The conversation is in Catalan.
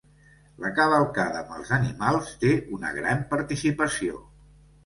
La cavalcada amb els animals té una gran participació.